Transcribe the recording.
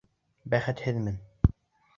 Бәхетһеҙмен...